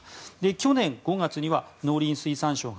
去年５月には農林水産省が